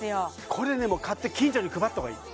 これね買って近所に配った方がいい